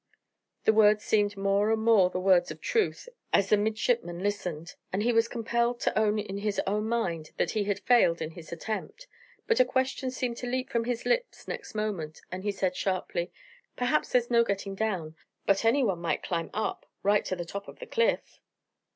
The words seemed more and more the words of truth as the midshipman listened, and he was compelled to own in his own mind that he had failed in his attempt; but a question seemed to leap from his lips next moment, and he said sharply, "Perhaps there's no getting down, but any one might climb up right to the top of the cliff."